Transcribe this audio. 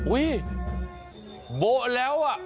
อุ้ยบาแล้ว